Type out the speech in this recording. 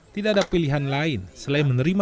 tidak ada pilihan lain selain menerima